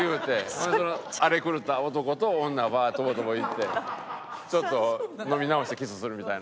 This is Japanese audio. ほんでその荒れ狂った男と女バーとことこ行ってちょっと飲み直してキスするみたいな。